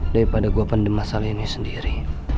daripada gue pandemi masalah ini sendiri